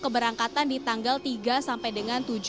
keberangkatan di tanggal tiga sampai dengan